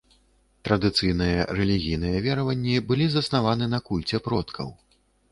Традыцыйныя рэлігійныя вераванні былі заснаваны на кульце продкаў.